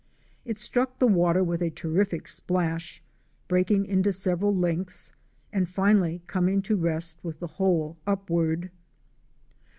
It struck the water with a terrific splash, breaking into several lengths, and finally coming to rest with the hole upward.